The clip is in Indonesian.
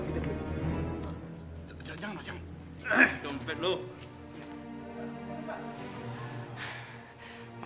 iya aku juga dapet seragam